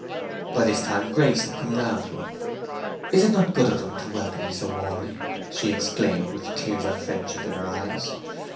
By this time Grace had come round to him. "Is it not good of them to welcome me so warmly?" she exclaimed, with tears of friendship in her eyes.